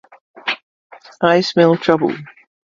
I smell trouble.